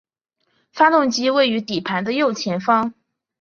发动机位于底盘的右前方。